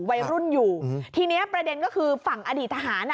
วัยรุ่นอยู่ทีเนี้ยประเด็นก็คือฝั่งอดีตทหารอ่ะ